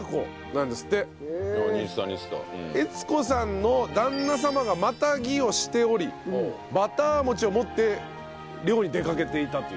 悦子さんの旦那様がマタギをしておりバター餅を持って猟に出かけていたという。